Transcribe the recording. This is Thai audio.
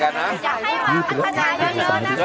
ถ้าพัฒนาไม่ได้ก็อยากให้กระเศียรไปเร็วนะคะ